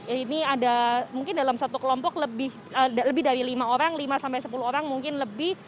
ini ada mungkin dalam satu kelompok lebih dari lima orang lima sampai sepuluh orang mungkin lebih